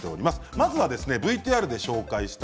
まずはＶＴＲで紹介した。